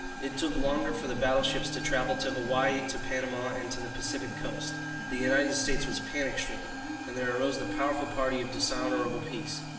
It took longer for the battleships to travel to Hawaii, to Panama, and to the Pacific Coast. The United States was panic stricken, and there arose the powerful party of dishonourable peace.